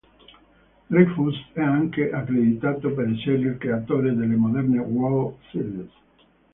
Dreyfuss è anche accreditato per essere il creatore delle moderne World Series.